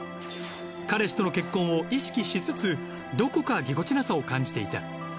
彼氏との結婚を意識しつつどこかぎこちなさを感じていた。